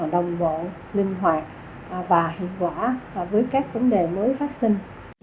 đồng bộ linh hoạt và hiệu quả với các vấn đề mới phát sinh